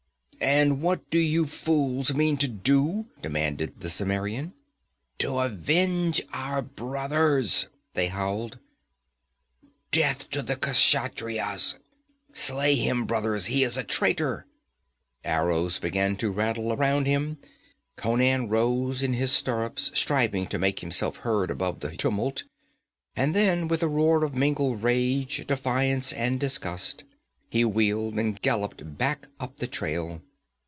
'And what do you fools mean to do?' demanded the Cimmerian. 'To avenge our brothers!' they howled. 'Death to the Kshatriyas! Slay him, brothers, he is a traitor!' Arrows began to rattle around him. Conan rose in his stirrups, striving to make himself heard above the tumult, and then, with a roar of mingled rage, defiance and disgust, he wheeled and galloped back up the trail.